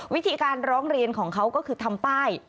วิธีการร้องเรียนของเขาก็คือทำป้าย